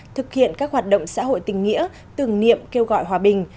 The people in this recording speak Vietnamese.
thực hiện các hoạt động xã hội tình nghĩa tưởng niệm kêu gọi hòa bình